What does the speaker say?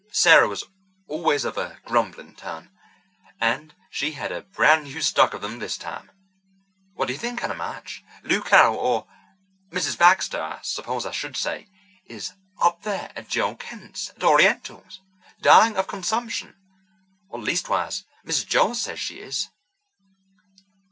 Sarah was always of a grumbling turn, and she had a brand new stock of them this time. What do you think, Anna March? Lou Carroll—or Mrs. Baxter, I suppose I should say—is up there at Joel Kent's at Oriental, dying of consumption; leastwise, Mrs. Joel says she is."